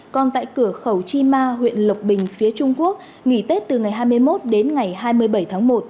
còn tại cửa khẩu chi ma huyện lộc bình phía trung quốc nghỉ tết từ ngày hai mươi một đến ngày hai mươi bảy tháng một